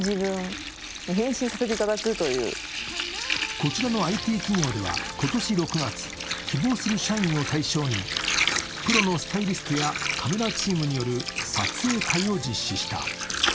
こちらのＩＴ企業では今年６月、希望する社員を対象にプロのスタイリストやカメラチームによる撮影会を実施した。